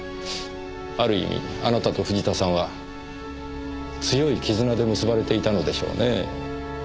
ある意味あなたと藤田さんは強い絆で結ばれていたのでしょうねぇ。